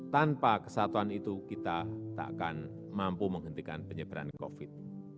tanpa kesatuan itu kita takkan mampu menghentikan penyebaran covid